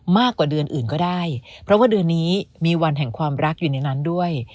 มากกว่าเดือนอื่นก็ได้เพราะว่าเดือนนี้มีวันแห่งความรักอยู่ในนั้นด้วย